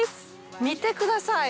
見てください。